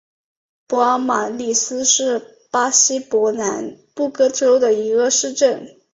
帕尔马里斯是巴西伯南布哥州的一个市镇。